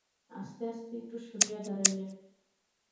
আস্তে আস্তে একটু সরিয়া দাঁড়াইলেন।